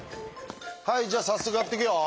はいじゃあ早速やっていくよ。